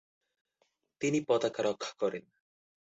তিনি পতাকা রক্ষা করেন।